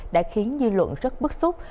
đã khiến dư luận rất bức xúc